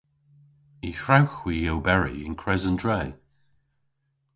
Y hwrewgh hwi oberi yn kres an dre.